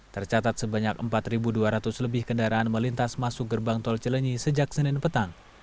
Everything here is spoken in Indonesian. tercatat sebanyak empat dua ratus lebih kendaraan melintas masuk gerbang tol cilenyi sejak senin petang